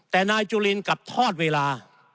แต่นายจุลินกลับทอดเวลา